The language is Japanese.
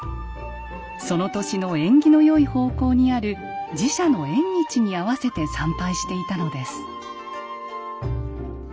その年の縁起の良い方向にある寺社の縁日に合わせて参拝していたのです。